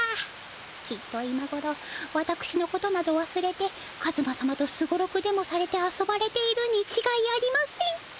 きっと今ごろわたくしのことなどわすれてカズマ様とすごろくでもされて遊ばれているにちがいありません。